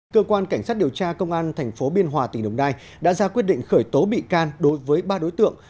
cơ quan cảnh sát điều tra công an tp biên hòa tỉnh đồng nai đã ra quyết định khởi tố bị can đối với ba đối tượng